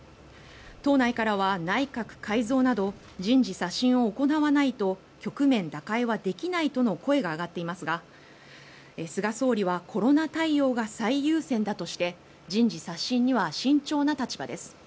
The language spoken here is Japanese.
党内からは、内閣改造など人事刷新を行わないと局面打開はできないとの声が上がっていますが菅総理はコロナ対応が最優先だとして人事刷新には慎重な立場です。